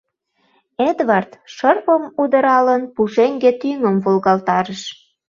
Эдвард, шырпым удыралын, пушеҥге тӱҥым волгалтарыш.